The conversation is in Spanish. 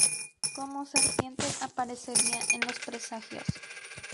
Como serpiente aparecería en los presagios.